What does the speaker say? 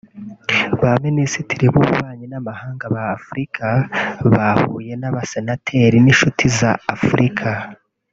ba Minisitiri b’Ububanyi n’Amahanga ba Afurika babuye n’abasenateri n’inshuti za Afurika